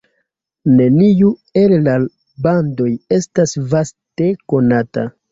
Neniu el la bandoj estas vaste konata.